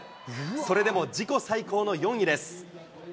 それでも自己最高の４位です。